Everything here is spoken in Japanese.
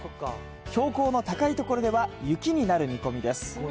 標高の高い所では雪になる見込みです。